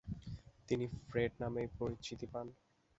তিনি ফ্রেড নামেই পরিচিতি পান।